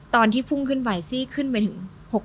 ตอนที่พุ่งขึ้นไปซี่ขึ้นไปถึง๖๐